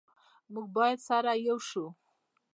موږ باید سره ېو شو